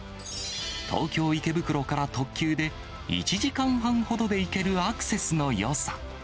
東京・池袋から特急で１時間半ほどで行けるアクセスのよさ。